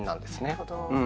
なるほど。